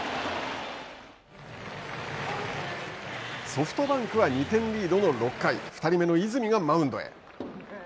ソフトバンクは２点リードの６回２人目の泉がマウンドへ。